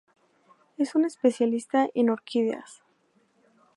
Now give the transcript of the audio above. Es un especialista en orquídeas.